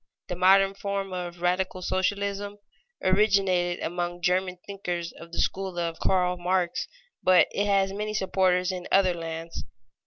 The modern form of radical socialism originated among German thinkers of the school of Karl Marx, but it has many supporters in other lands.